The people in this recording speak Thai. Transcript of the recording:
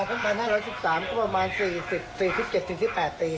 ตั้งแต่๘กฎราตั้งแต่๑๕๑๓ก็ประมาณ๔๗๔๘ปี